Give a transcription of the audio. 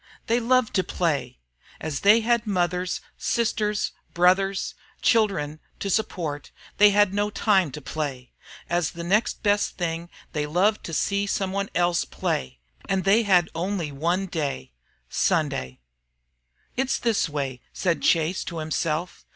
They loved to play, As they had mothers, sisters, brothers, children, to support, they had no time to play. As the next best thing they loved to see some one else play. And they had only one day Sunday. "It's this way," said Chase to himself.